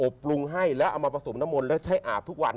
ปรุงให้แล้วเอามาผสมน้ำมนต์แล้วใช้อาบทุกวัน